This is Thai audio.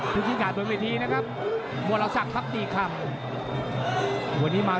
ทุกที่ขาดบนเวทีนะครับมวลสักพักตีคำ